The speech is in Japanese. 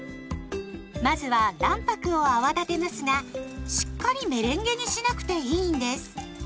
まずは卵白を泡立てますがしっかりメレンゲにしなくていいんです。